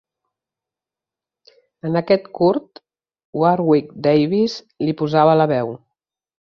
En aquest curt, Warwick Davis li posava la veu.